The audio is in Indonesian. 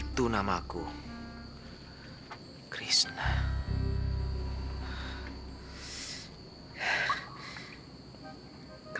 cuman cuma tidak ingat suatu suatu hal